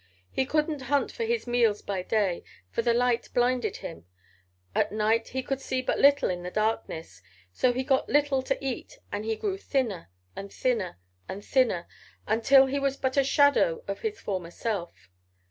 He couldn't hunt for his meals by day, for the light blinded him. At night he could see but little in the darkness. So he got little to eat and he grew thinner and thinner and thinner until he was but a shadow of his former self.